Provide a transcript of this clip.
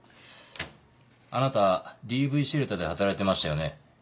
あなたＤＶシェルターで働いてましたよね？